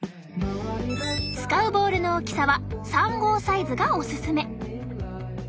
使うボールの大きさは３号サイズがおすすめ。